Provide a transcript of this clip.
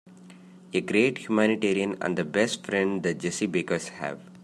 A great humanitarian and the best friend the Jessie Bakers have.